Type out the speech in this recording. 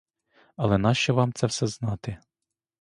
Але нащо вам це все знати?